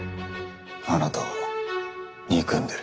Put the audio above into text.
あなたを憎んでる。